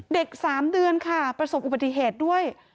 ๓เดือนค่ะประสบอุบัติเหตุด้วย